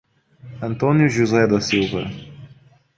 Antônio José da Silva